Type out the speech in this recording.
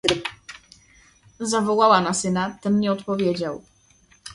"Zawołała na syna, ten nie odpowiedział."